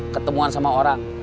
ketemuan sama orang